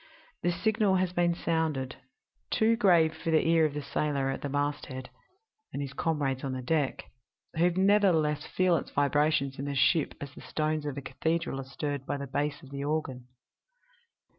The signal has been sounded too grave for the ear of the sailor at the masthead and his comrades on the deck who nevertheless feel its vibrations in the ship as the stones of a cathedral are stirred by the bass of the organ.